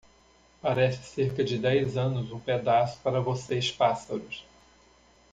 Parece cerca de dez anos um pedaço para vocês pássaros.